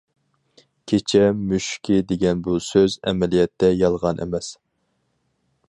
كېچە مۈشۈكى دېگەن بۇ سۆز، ئەمەلىيەتتە يالغان ئەمەس!